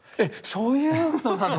そういうことなの？